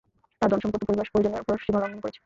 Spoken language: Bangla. তার ধনসম্পদ ও পরিবার পরিজনের উপর সীমা লংঘন করেছে।